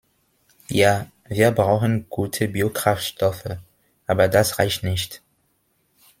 Ja, wir brauchen gute Biokraftstoffe, aber das reicht nicht.